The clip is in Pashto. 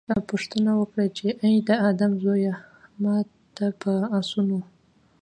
پوښتنه وکړي چې اې د آدم زويه! ما ته په آسونو